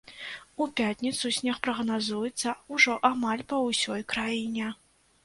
У пятніцу снег прагназуецца ўжо амаль па ўсёй краіне.